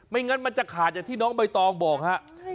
งั้นมันจะขาดอย่างที่น้องใบตองบอกฮะ